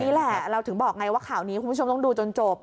นี่แหละเราถึงบอกไงว่าข่าวนี้คุณผู้ชมต้องดูจนจบ